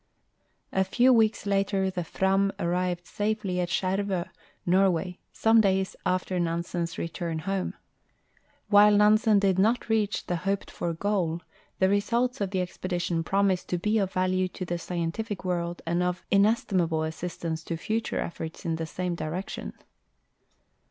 A few weeks later the Fram arrived safely at Skjervo, Norway, some da}^s after Nansen's return home. While Nansen did not reach the hoped for goal, the results of the expedition promise to be of value to the scientific world and of inestimable assist ance to future efforts in the same direction.